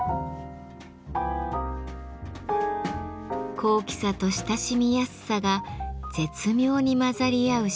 高貴さと親しみやすさが絶妙に混ざり合う仕上がり。